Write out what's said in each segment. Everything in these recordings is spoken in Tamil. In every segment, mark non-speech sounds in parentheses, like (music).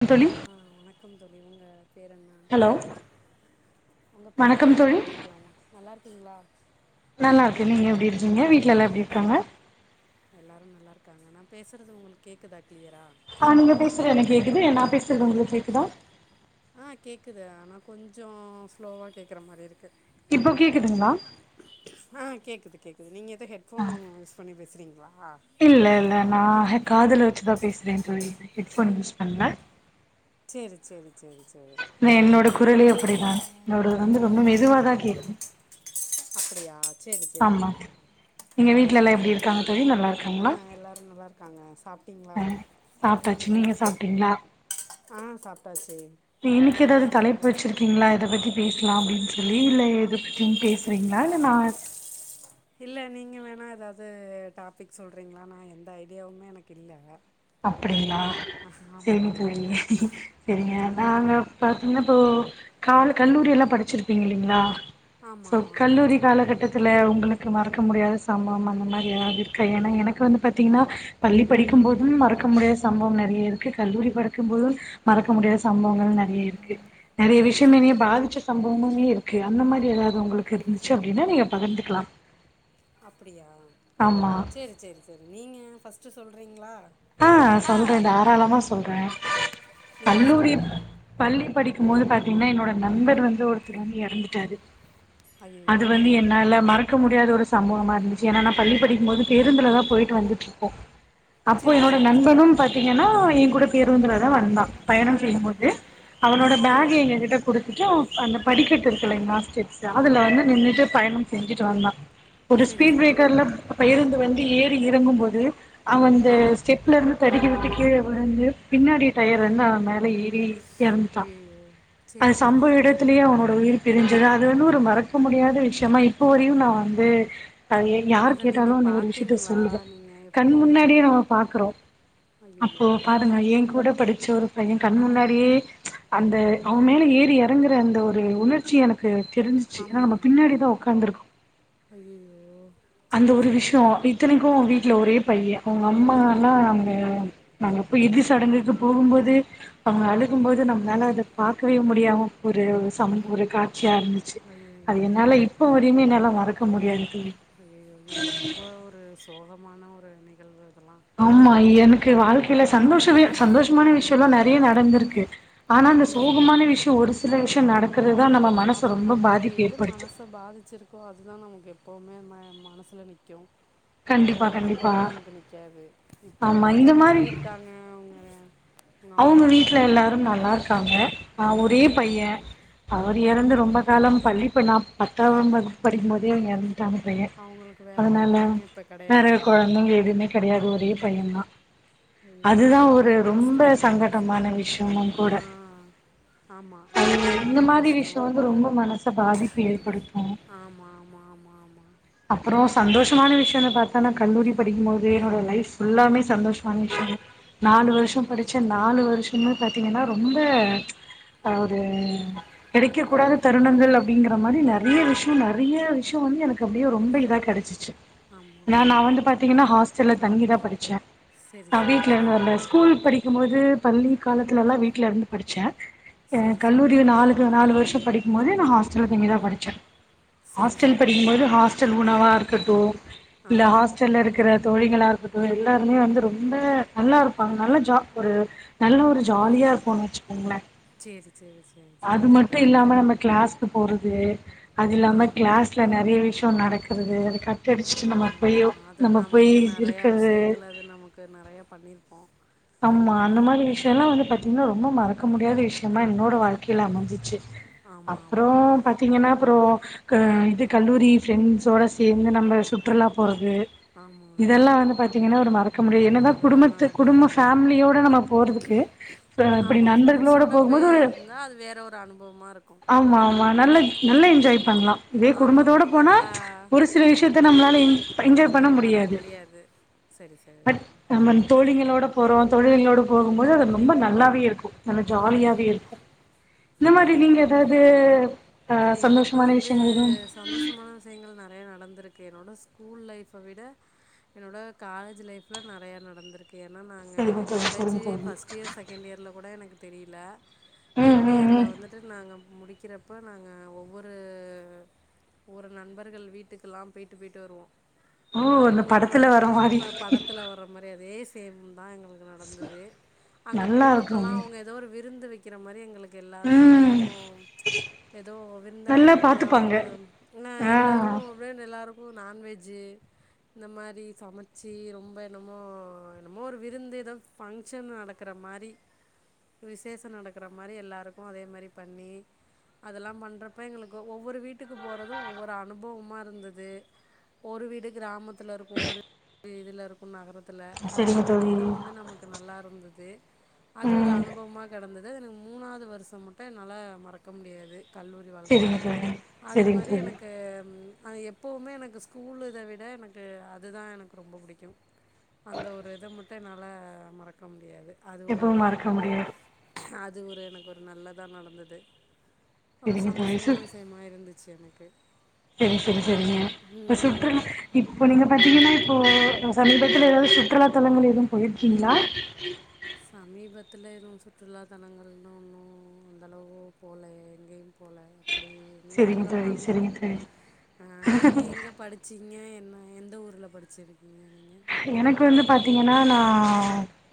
கம் தோழி அ வணக்கம் தோழி உங்க பேர் என்னா ஹலோ தெர்ஞ்சி உங்க பேர் வணக்கம் என்னான் தோழி தெரிஞ்சுக்லாமா நல்லார்க்கீங்ளா நல்லா இருக்கே நீங்க எப்டி இருக்கீங்க வீட்ல எல்லா எப்டி இருக்காங்க க்காங்க நா பேசறது உங்குளுக் கேக்குதா கிளியரா ஆ நீங்க பேசற எனக்கு கேக்குது நா பேசறது உங்குளுக் கேக்குதா ஆ கேக்குது ஆனா கொஞ்சோ ஸ்லோவா கேக்கற மாரி இரு இப்ப கேக்குதுங்ளா ஆ கேக்குது கேக்குது நீங்க எது ஹெட்ஃபோனு யூஸ் பண்ணி பேசுறீ இல்ல இல்ல நா ஹ காதுல வெச்சுதா பேசுறே தோழி இது ஹெட்ஃபோன் யூஸ் பண்ல சேரி சேரி சேரி சேரி நா என்னோட குரலே அப்டிதான் என்னோடது வந்து ரொம்ப மெதுவாதா கேக்கு அப்டியா செரி செரி ஆமா செரி எங்க வீட்ல செரி எல்லா எப்டி செரி இருக்காங்க தோழி நல்லா அ இருக்காங்களா எல்லாரு நல்லார்க்காங்க சாப்டிங்ளா ஆ சாப்ட்டாச்சு நீங்க சாப்ட்டிங்ளா ஆ சாப்ட்டாச்சு இ இன்னிக்கு என்ன எதாவ்து தலைப்பு சாப்பாடு வெச்சிர்க்கிங்ளா இத பத்தி பேசலா அப்டின் சொல்லி இல்ல எத பத்தியும் பேசறிங்ளா இல்ல நா இல்ல நீங்க வேணா எதாவது டாபிக் சொல்றிங்ளா நா எந்த ஐடியாவுமே எனக்கு இல்ல அப்படிங்ளா ஆமா செரி செரி செரிங்க நாங்க பாத்திங்ன்னா இப்போ காலு கல்லூரியெல்லா படிச்சிருப்பீங்க இல்லிங்ளா ஆமா சோ கல்லூரி படிச்சிருக்கே காலகட்டத்துல உங்குளு க்கு மறக்க முடியாத சம்பவம் அந்த மாரி எதாவது இருக்கா ஏனா எனக்கு வந்து பாத்திங்கன்னா பள்ளி ஆ படிக்கும்போ க்க முடியாத சம்பவம் நறைய இருக்கு கல்லூரி படக்கும்போது மறக்க முடியாத சம்பவங்களு நறைய இருக்கு நறைய சரி விஷ்யம் சரி என்னிய சரி பாதிச்ச ச ம்பவுமே இருக்கு அந்த மாரி எதாவுது உங்குளுக்கு இருந்துச்சு அப்டினா நீங்க பகிர்ந்துக்கலாம் அப்டியா ஆமா சேரி சேரி சேரி நீங்க ஃபஸ்ட்டு சொல்றீங்ளா ஆ சொல்றே தாராளமா சொல்றே நீங்க கல்லூரிப் சொல்லுங்க பள்ளி படிக்கும் போது பாத்திங்னா என்னோட நண்பர் வந்து ஒருத்தர் வந்து எறந்துட்டாரு ஐயையோ அது ஆ வந்து என்னால மற க்க முடியாத ஒரு சம்பவமா இருந்துச்சி ஏனா நா பள்ளி படிக்கும் போது பேருந்துல தா போயிட்டு வந்துட்ருப்போ அப்போ சரி என்னோட சரி சரி நண்பனும் பாத்திங்கன்னா எங் கூட பேருந்துலதா வந்தா பயணம் செய்யும் போது அவனோட பேக்க ஐயோ எங்க கிட்ட குடுத்துட்டு அவ அந்த படிக்கட்டு இருக்கு இல்லைங்ளா ஸ்டெப்ஸ் அதுல வந்து அப்படியா நின்னுட்டு பயணம் செஞ்சுட்டு வந்தா ஒரு சரி ஸ்பீடு சரி பிரேக்கர்ல பொயிருந்து வண்டி ஏறி இறங்கும்போது அவன் அந்த ஆ ஸ்டெப்ல இருந்து தடுக்கிவிட்டுக் கீழ வுழுந்து பின்னாடி டயர் ஐயோ வந்து அவன் மேல ஏறி இறந்துட்டா ஐயையோ சரி அது சரி சம்பவ சரி ஐயோ இடத்திலேயே அவனோட உயிர் பிரிஞ்சது அது வந்து ஒரு மறக்க முடியாத விஷயமா இப்போ வரையும் நான் வந்து அது யார் அத நீங்க கேட்டாலு நீ ஒரு விஷயத்த பாத்தீங்களா சொல்லுவ நீங்க கண் எப்படி அத முன்னாடியே நம்ம பாக்குறோ அப்போ ஐயையோ பாருங்க ஏங் கூட படிச்ச ஒரு பையன் கண் முன்னாடியே அந்த அவன் மேல ஏறி இறங்குற அந்த ஒரு உணர் ச்சி எனக்கு தெரிஞ்சுச்சு ஏன்னா நம்ம பின்னாடி தா உட்காந்துருக்கோ அய்யய்யோ அந்த ஒரு விஷயம் இத்தனைக்கு வீட் வீட்டுல ஒரே பைய அவங்க அம்மா எல்லா அங்க நாங்கப்ப இருதி சடங்குக்கு போகும்போது அவங்க அழுக ஐயோ போது நம்மனாள அத பாக்கவே முடியாமல் ஒரு சம்பு இருக்கா சியா இருந்துச்சு அது ஐயையோ என்னால இப்ப வரையுமே என்னால மறக்க முடியாது தோழி இது ரொம்ப ஒரு சோகமான ஒரு நிகழ்வு இதெல்லாம் ஆமா எனக்கு வாழ்க்கையில சந்தோஷவே ஆ சந்தோஷமான விஷயோல்லா நெறைய நடந்திருக்கு ஆனா அந்த ஆமா ஆமா சோகமான விஷயோ ஒரு சில விஷயோ நடக் ஆமா நமக்கு எது மனச பாதிச்சிருக்கோ அதுதா நமக்கு எப்போமே நம மனசுல நிக்கு வேற கண்டிப்பா எதுவும் கண்டிப்பா கூட நமக்கு நிக்காது இப்ப ஆமா அவங்க இந்த எப்டி மாரி இருக்காங்க அவங்க அம்மா அவங்க வீட்டுல அப்பாலாம் எல்லாரும் நல்லா இருக்காங்க ஆஹ் ஒரே பைய அவர் இறந்து ரொம்ப காலம் பள்ளிப்ப நான் பத்தாவ வகுப் படிக்கும்போதே இறந் டாந்த பைய அவங்களுக்கு வேற அதனால பிள்ளைங்க இப்ப வேற கிடையாதா கொழந்தைங்க எதுமே கெடையாது ஒரே பையன் தா ஐயையோ அதுதா இது ஒரு ரொம்ப கஷ்டமான ஒரு சங்கடமான விஷயம் விஷயமும் ஆ கூட ஆமா இது ரொம்ப அஹ் இந்த ரொம்ப மாரி கஷ்டோ விஷயோ வந்து ரொம்ப மனச பாதிப்பு ஏற்படுத்து ஆமா ஆமா ஆமா ஆமா அப்புறோ சந்தோஷமான விஷயோ ன்னப் பாத்தா நா கல்லூரி படிக்கும்போது என்னோட லைஃப் புள்ளாமே சந்தோஷமான விஷ்யோ நாலு ஆமா வருஷம் மேம் படி நாலு வருஷமே பாத்தீங்கன்னா ரொம்ப அதாவது கெடைக்க கூடாத தருணங்கள் அப்டிங்கற மாரி நெறைய விஷ்யோ நெறைய விஷ்யோ வந்து எனக்கு அப்டியே ரொம்ப இதா கெடைச்சிச்சு ஆமா ஆ ஏன் நா வந்து ஓகே பாத்தீங்கன்னா ஹாஸ்டல்ல தங்கிதா படிச்சேன் செரி நான் செரி வீட்டுல இருந்து செரி வர்றல ஸ்கூல் படிக்கும் போது பள்ளி காலத்துல எல்லாம் வீட்டுல இருந்து படிச்சே எ செரி செரி கல்லூரிய செரி நாளுக்கு நாலு வருஷம் படிக்கும் போது நா ஹாஸ்டல தங்கிதா படிச்சே செரி ஹாஸ்டல் செரி செரி படிக்கும்போது ஹாஸ்டல் உணவா இருக்கட்டு ஆ இல்ல ஹாஸ்டல்ல இருக்கற தொழிலிங்களா இருக்கட்டு எல்லாருமே வந்து ரொம்ப நல்லா இருப்பாங்க நல்ல ஜா ஒரு நல்ல ஒரு ஜாலியா ம் இருக்குன்னு வச்சுக்கோங்களே சேரி சேரி சேரி அது சேரி மட்டு இல்லாம நம்ம கிளாஸ்க்கு போறது அது ஆ இல்லாம கிளாஸ்ல நெறைய விஷ்யோ நடக்கிறது அதுக்கட் டடிச்சுட்டு நம்ம ஆமா போயோ ஆமா அதுல நம்ம போய் நமக்கு நெறையா இருக்கிறது விஷயங்கள் அது நமக்கு நெறையா பண்ணியிருப்போ ஆமா அந்த மாரி விஷயோல்லா வந்து பாத்தீங்கன்னா ரொம்ப மறக்க முடியாத விஷ்யோ யமா என்னோட வாழ்க்கையில அமஞ்சுச்சு ஆமா அப்புறோ ஆமா பாத்தீங்கன்னா அப்புறோ க இது கல்லூரி ஃபிரெண்ட்ஸோட சேந்து நம்ம சுற்றுலா போற து ஆமா இதெல்லா வந்து பாத்தீங்கன்னா ஒரு மறக்க முடியா ஆமா என்னதா அதெல்லா குடும்பத்து நடக்கு குடும்ப ஃபேமிலியோட நம்ம போறதுக்கு ப இப்டி ஆமா நண்பர்களோட ஃப்ரெண்ட்ஸோட போகும்போது போயிருந்தா அது வேற ஒரு அனுபவமா இருக்கு ஆமா ஆமா நல்ல நல்லா என்ஜாய் பண்லா இதே ஆமா குடும்பத்தோடு ஆமா போனா நல்லா ஒரு சில விஷயத்த நம்மளால என் என்ஜாய் பண்ண முடியாது சரி சரி பட் நம்ம தோழிங்களோட போறோ தோழிங்ளோட போகும்போது அது ரொம்ப நல்லாவே ஆமா இருக்கு நல்லா ஆமா ஜாலியாவே ஆமா இருக்கு இந்த மாரி ஆமா நீங்க ஆமா எதாவது இது எனக்கு வந்து சந்தோஷமான விஷயங்க ள் நெறைய நடந்திருக்கு என்னோட ஸ்கூல் லைஃப்ப விட என்னோட காலேஜ் லைஃப்ல நெறைய நடந்திருக்கு ஏன்னா நாங்க எதுவும் சரிங்க காலேஜு தோழி சரிங்க தோழி ஃபஸ்ட் இயர் செகண்ட் இயர்ல கூட எனக்கு தெரியல ம் தேர்டு ம் இயர்ல ம் வந்துட்டு நாங்க முடிக்கிற அப்போ நாங்க ஒவ்வொரு ஒவ்வொரு நண்பர்கள் வீட்டுக்குல்லா போய்ட்டு போய்ட்டு வருவோ ஓ அங்க அந்த வந்து அவுங்க நாங்க படத்துல அங்க வர மாரி போறப்ப படத்துல வர்ரா மாரி அதே சேம் தா எங்களுக்கு நடந்தது அங்க நல்லா இருக்கும் போறப்பெல்லா அவுங்க எதோ ஒரு விருந்து வெக்கிற மாரி எங்களுக்கு எங்க எல்லாருக்கு ம் என்னமோ எதோ விருந்தாடி நல்லா வந்து பாத்துப்பாங்க அவுங்கள என்னா ஆ எல்லோரு பிரியாணி எல்லோருக்கு நான்வெஜ்ஜு இந்த மாரி சமச்சு ரொம்ப என்னமோ என்னமோ ஒரு விருந்து எதோ ஃபங்க்ஷன் நடக்கிற மாரி மாரி விஷேஷோ நடக்கிற மாரி எல்லாருக்கு அதே மாரி பண்ணி அதெல்லா பண்றப்ப எங்களுக்கு ஒவ்வொரு வீட்டுக்கு போறது ஒவ்வொரு அனுபவமா இருந்தது ஒரு வீடு கிராமத்துல இருக்கு ஒரு இதுல இருக்கு நகரத் துல அது சரிங்க ஒவ்வொரு தோழி வீடு வந்து நமக்கு நல்லா இருந்தது அது ஒரு ம் அனுபவமா கெடந்தது து மூணாவது வருஷோ மட்டு என்னால மறக்க முடியாது கல்லூரி வாழ்க்கைல சரிங்க தோழி அது சரிங்க மாரி தோழி எனக்கு அது எப்பவுமே எனக்கு ஸ்கூலு இத விட எனக்கு அதுதா எனக்கு ரொம்ப புடிக்கு அந்த ஒரு இத மட்டு என்னால மறக்க முடியாது அது எப்பவும் ஒருதா மறக்க முடியாது அது ஒரு எனக்கு ஒரு நல்லதா நடந்தது ஒரு சரிங்க சந்தோஷமான விஷயமா இருந்துச்சி எனக்கு சேரி சேரி சேரிங்க இப்ப ம் சுற்றுலா இப்போ நீங்க பாத்தீங்கன்னா இப்போ சமீபத்துல எதாவது சுற்றுலா தலங்கள் எதுவு போயிருக்கீங்களா சமீபத்துல எதுவு சுற்றுலா தலங்கள்னா ஒன்னு அந்த அளவு போல எங்கேயு போல அப்டி எங்கயு சரிங்க போல தோழி மறந்துட்டே சரிங்க தோழி ஆ நீங்க எங்க படிச்சீங்க என்ன எந்த ஊர்ல படிச்சிருக்கீங்க நீங்கள் நானா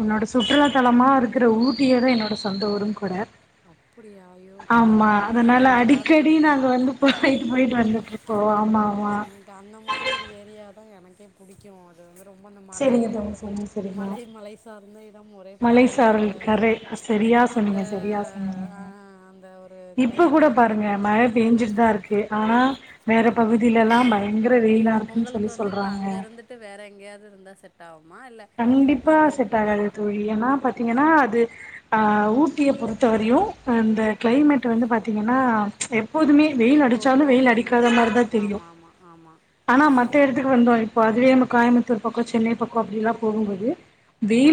உன்னோட சுற்றுலாத்தலமா இருக்குற ஊட்டியேதா என்னோட சொந்த ஊரும் கூட அப்படியா ஐய்யோ அப்பனா ஆமா ரொம்ப அதனால நல்லா அடிக்கடி இருக்குமே நாங்க வந்து போயிட்டு போயிட்டு வந்துட்டு இருக்கோ எனக்கு அந்த மாரி ஒரு ஏரியா தா எனக்கே புடிக்கு அது வந்து ரொம்ப அந்த மலை சரிங்க தோழி சரிங்க சரிங்க மலை மலை சார்ந்த நித்தம் ஒரே மலை பனி சாரல் அந்த கரை சரியா அந்த சொன்னீங்க சரியா அ சொன்னீங்க அந்த ஒரு க்ளை இப்ப கூட பாருங்க மழ பேஞ்சுட்டு தா இருக்கு ஆனா வேற பகுதில எல்லா பயங்கர வெயிலா இருக்குன்னு உங்களுக்கு சொல்லி வந்து இப்ப சொல்றாங்க அங்க இருந்துட்டு வேற எங்கேயாவது இருந்தா செட் ஆகுமா இல்ல கண்டிப்பா அங்க செட் ஆகாது தோழி ஏன்னா பாத் பாத்தீங்கன்னா அது ஆ ஊட்டிய பொறுத்த வரையு அந்த ம் க்ளைமேட் வந்து பாத்தீங்கன்னா எப்போதுமே வெயில் அடிச்சாலு எப்பவுமே வெயில் அடிக்காத மாதிரிதா இதாகு தெரியும் ஆமா ஆமா ஆமா ஆனா மத்த எடத்துக்கு வந்தோ இப்போ அதுவே நம்ம கோயமுத்தூர் பக்கோ சென்னை பக்கோ அப்டில்லா போகும்போது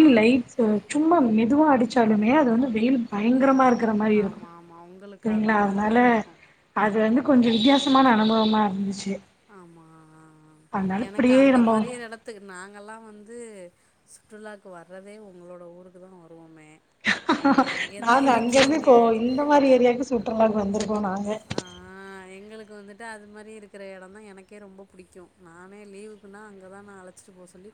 ஆ லைடா சும்மா மெதுவாக அடிச்சாலுமே அது வந்து வெயில் பயங்கரமா இருக் மா இருக்குற மாரி இருக்கு ஆமா ஆமா உங்களுக்கு அது செரிங்களா மாரி அதனால பழகிருக்கு அது வந்து கொஞ்சோ வித்தியாசமான அனுபவமா இருந்துச்சி ஆமா ஆ எனக்கு இப்டியே அந்த நம்ம மாரி எடத்துக்கு நாங்கல்லா வந்து சுற்றுலாக்கு வர்றதே உங்களோட ஊருக்கு தா வருவமே நாங்க அங்கருந்து இப்போ இந்த மாரி ஏரியாவுக்கு சுற்றுலாக்கு வந்திருக் க்கு நாங்க க அது மாரி இருக்குற எடம் தா எனக்கே ரொம்ப புடிக்கு நானே லீவுக்குன்னா அங்கதா நா அழைச்சிட்டு போக சொல்லி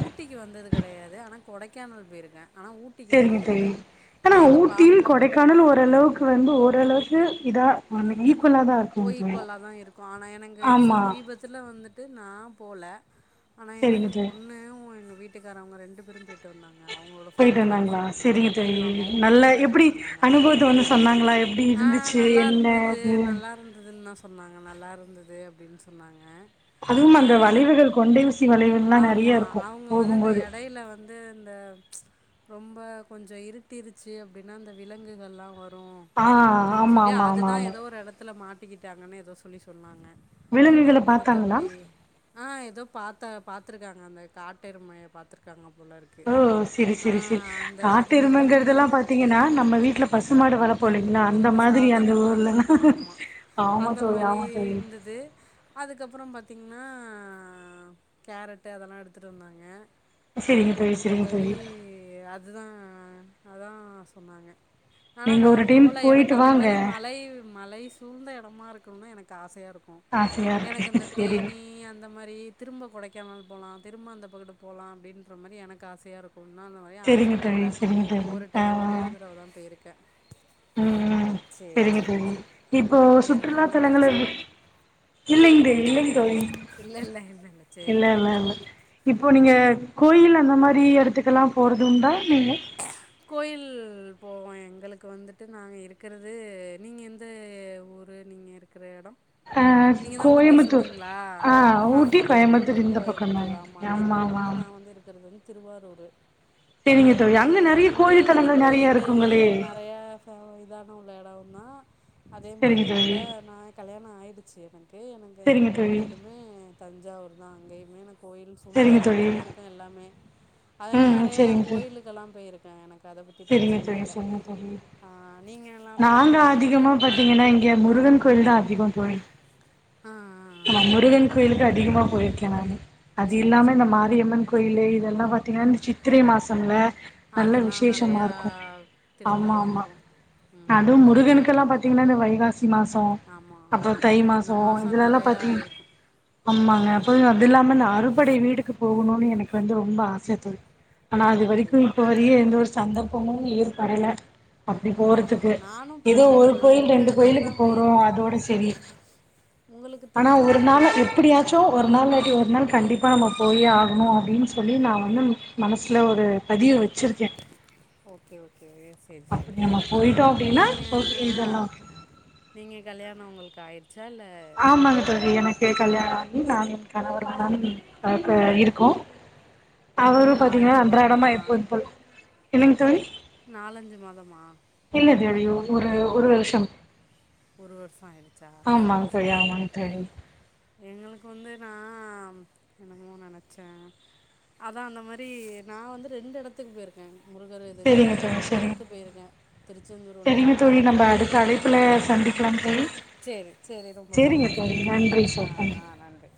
ஊட்டிக்கு வந்தது கெடையாது ஆனா கொடைக்கானல் போயிருக்கே ஆனா ஊட்டிக்கு செரிங்க வந்ததில்ல தோழி ஆனா எங்க ஊட்டியு பாப்பா கொடைக்கானலு ஓரளவுக்கு வந்து ஓரளவுக்கு இதா வன் ஈக்கு ஓ ஈக்குவலா தா இருக்கு ஆனா எனக்கு வந்து ஆமா சமீபத்துல வந்துட்டு நா போல ஆனா சரிங்க எனக்கு தோழி பொண்ணு எங்க வீட்டுக்காரவங்க ரெண்டு பேரு போய் போயிட்டு வந்தாங்களா செரிங்க தோழி ஆமா ஊட்டிக்கு நல்ல தா எப்டி போயிட்டு வந்தாங்க அனுபவத்த வந்து சொன்னாங்களா எப்டி ஆ இருந்துச்சு என்ன அது இன்னா சொன்னாங்க நல்லா இருந்துது அப்டின் சொன்னாங்க அதுவும் ஆ அந்த வளைவுகள் கொண்டை ஊசி வ ஆமா அவுங்க வந்து இந்த எடையில வந்து இந்த ரொம்ப கொஞ்சு இருட்டிருச்சு அப்டின்னா அந்த விலங்குகள்லா வ ரு ஆ அப்டின் ஆமா சொல்லி ஆமா ஆமா அதுதா ஆமா எதோ ஒரு எடத்துல மாட்டிக்கிட்டாங்கனு எதோ சொல்லி சொன்னாங்க விலங்குகள பாத்தாங்களா மத்தபடி ஆ எதோ பாத்தா பாத்துருக்காங்க அந்த காட்டெருமையை பாத்துருக்காங்களாம் ஓ செரி செரி செரி அது மட்டும் காட்டெருமங்கிறதெல்லா பாத்தீங்கன்னா நம்ம வீட்ல பசுமாடு வளப் போலீங்ளா அந்த உங்களுக்கு மாதிரி அந்த சாதாரணமா ஊர்லல்லா இருக்கும் ஆமா. ஆமா அந்த தோழி மாரி ஆமா தோழி இருந்தது அதுக்கப்புறம் பா திங்ன்னா கேரட்டு அதெல்லா எடுத்துட்டு வந்தாங்க செரிங்க தோழி செரிங்க மத்தபடி தோழி அதுதா அதா சொன்னாங்க ஆனா நீங்க நா ஒரு டைம் போல எனக்கு போயிட்டு அந்த வாங்க மாரி மலை மலை சூழ்ந்த எடமாரு க்கணுனா எனக்கு ஆசயா இருக்கு ஆசையா இருக்கு எனக்கு இந்த செரி தேனி அந்த மாரி திரும்ப கொடைக் கானல் போலா திரும்ப அந்த பக்கட்டு போலா அப்டின்ற மாரி எனக்கு ஆசையாரு உன்னோ அந்த மாரி அழச்சிட்டு செரிங்க போல தோழி செரிங்க தோழி ஒரு டை ஆ ஒரே ஒர் தடவ தா போயிருக்கே ம் செரிங்க தோழி சேரி இப்போ நேரம் சுற்றுலாத்தலங்கள்ல கடந்துருச்சோ இல்லைங் பே இல்லைங் தோழி இல்ல இல்ல இல்ல சேரி இல்ல இல்ல சேரி இல்ல சேரி இப்போ நீங்க கோயில் அந்த மாரி எடத்துக்கெல்லா போறதுண்டா நீங்க கோயில் போவோ எங்களுக்கு வந்துட்டு நாங்க இருக்கறது நீங்க எந்த ஊரு நீங்க இருக்கிற எடோ ஆ நீங்க தா ஊட்டி கோயம்புத்தூர் சொன்னீங்ளா ஆ ஆமா ஊட்டி ஆமா உங்களுக்கு கோயம்புத்தூர் இந்த பக்கந்தாங்க கோயம்த்தூர் ஆமா எங்களுக்கு ஆமா வந்து நா ஆமா வந்து இருக்கறது வந்து திருவாரூரு இங்க செரிங்க தோழி வந்து அங்க நெறைய இங்கேயு கோயில் வந்து தலங்கள் நெறைய கோயிலு இருக்குங்களே நறையா ஃப இதான உள்ள எடவ் தா அதே மாரி செரிங்க தோழி என்னோட நா கலயாணு ஆயிடுச்சு எனக் கு எனக்கு எங்க செரிங்க அம்மா தோழி வீடுமே தஞ்சாவூர் தா அங்கேயுமே எனக் கோயில் சுழ்ந்த செரிங்க எடமா தோழி தா இருக்கு எல்லாமே அதனால ம் நெறைய நா செரிங்க தோழி கோயிலுக்கெல்லா போயிருக்கே எனக் செரிங்க செரிங் செரிங்க தோழி ஆ நீங்க எல்லா நாங்க போயிருக்கீங்களா அதிகமா பாத்தீங்கன்னா இங்க முருகன் கோயில் தா அதிகோ போய் ஆ ஆ ஆ நா ஆ முருகன் கோயிலுக்கு அதிகமா போயிருக்கே நானு அது சேரி இல்லாம இந்த சேரி மாரியம்மன் கோயிலு இதெல்லா பாத்தீங்கன் இந்த சித்திரை மாசம்ல நல்ல அதெல்லா விஷே ஷமா நெறையா இருக்கு ஆமா திருவிழாலா ஆமா வரு அதுவு ம் முருகனுக்கெல்லா பாத்தீங்ன்னா இந்த வைகா சி மாசோ ஆமா அப்றோ தை ஆமா இந்த மாசோ இதுலெல்லா நெறையா பாத்தீங் இருக்கு ஆமாங்க அப்பற அது இல்லாம இந்த அறுபடை வீடுக்கு போகுனோனு எனக் வந்து ரொம்ப ஆச தோழி ஆனா அது வரிக்கு அப்டியா இப்ப வரிய எந்த ஒரு சந்தர்ப்பமு ஏற்படல அப்டி அப்டியா போறதுக்கு நானு எதோ போல ஒரு நா கோயில் ரெண்டு எடத்துக்கு கோயிலுக்கு தா போறோ போயிருக்கே அதோட செரி உங்களுக்கு ஆனா ஒரு நாள் திருச்செந்தூர்லா போலாமே எப்படியாச்சு ஒரு நாள்லாட்டி ஒரு நாள் கண்டிப்பா நம்ப போயே ஆகணு அப்டின் சொல்லி நா வந்து மனசுல ஒரு பதிவு வெச்சிருக்கே ஓகே ஓ சேர் சேரி சேர் நம்ம சேர் ச போயிட்டோ அப்டின்னா நீங்க ஓகே ஆ இதெல்லா ஓகே நீங்க கல்யாணோ உங்களுக் காய்ர்ச்சா இல்ல ஆமாங்க தோழி எனக்கு கல்யாண ஆகி நானு எங் கணவர் (unintelligible) இருக்கோ அவரு பாத்தீங்ன்னா நாலஞ்சு அன்றாடமா மாதமா எப்போது போல் என்னங் தோழி நாலஞ்சு மாதமா தெரியு ஒரு ஒரு வருஷம் ஒரு வருஸோ ஆ ஆமாங் தோழி ஆமாங் தோழி எங்களுக்கு வந்து நா அம் என்னமோ நெனச்சே அதா அந்த மாரி நா வந்து ரெண்டு எடத்துக் போயிருக்கே முருகரு இதுக் சரிங்க வந்து தோழி ரெண்டு சரிங்க இதுக்கு போயிருக்கே திருச்செந்தூர் ஒன்னு சாமி மல எங்களுக்கு பக்கோ பேசலாம் தோழி சேரி சேரி ரொம்ப சரிங்க சந்தோஷோ தோழி நன்றி ஆ சார் ஆ நன்றி